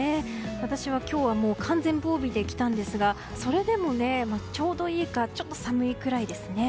私は今日は完全防備で来たんですがそれでもちょうどいいかちょっと寒いくらいですね。